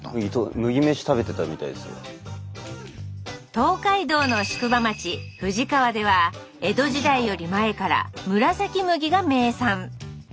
東海道の宿場町藤川では江戸時代より前から「むらさき麦」が名産。